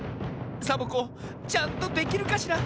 サボ子ちゃんとできるかしら？